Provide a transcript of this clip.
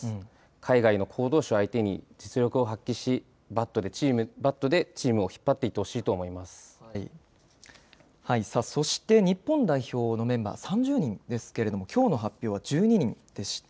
海外の好投手相手に、実力を発揮し、バットでチームを引っ張ってそして、日本代表のメンバー３０人ですけれども、きょうの発表は１２人でした。